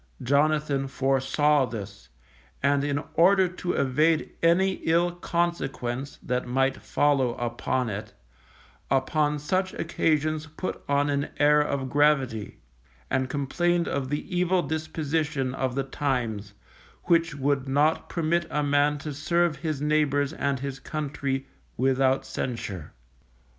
Jonathan foresaw this, and in order to evade any ill consequence that might follow upon it, upon such occasions put on an air of gravity, and complained of the evil disposition of the times, which would not permit a man to serve his neighbours and his country without censure.